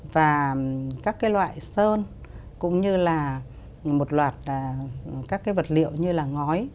và các loại sơn cũng như là một loạt các vật liệu như là ngói